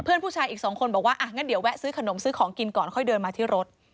ผู้ชายอีกสองคนบอกว่าอ่ะงั้นเดี๋ยวแวะซื้อขนมซื้อของกินก่อนค่อยเดินมาที่รถ